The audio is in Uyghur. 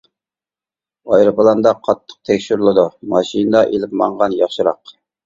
ئايروپىلاندا قاتتىق تەكشۈرۈلىدۇ، ماشىنىدا ئېلىپ ماڭغان ياخشىراق.